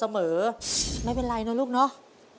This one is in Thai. ไม่เป็นไรนะลูกเนาะ